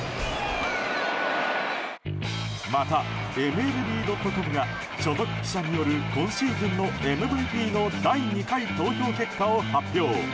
また、ＭＬＢ．ｃｏｍが所属記者による今シーズンのＭＶＰの第２回投票結果を発表。